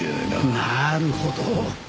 なるほど。